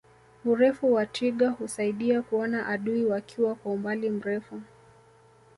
urefu wa twiga husaidia kuona adui wakiwa kwa umbali mrefu